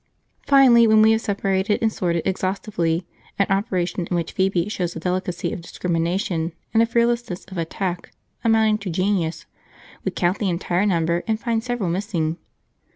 jpg} Finally, when we have separated and sorted exhaustively, an operation in which Phoebe shows a delicacy of discrimination and a fearlessness of attack amounting to genius, we count the entire number and find several missing.